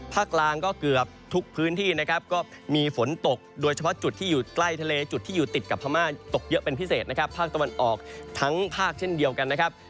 กลางก็เกือบทุกพื้นที่นะครับก็มีฝนตกโดยเฉพาะจุดที่อยู่ใกล้ทะเลจุดที่อยู่ติดกับพม่าตกเยอะเป็นพิเศษนะครับภาคตะวันออกทั้งภาคเช่นเดียวกันนะครับ